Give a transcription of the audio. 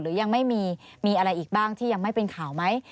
ยังไม่มีมีอะไรอีกบ้างที่ยังไม่เป็นข่าวไหม